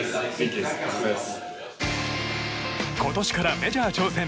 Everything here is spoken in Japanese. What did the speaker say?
今年からメジャー挑戦。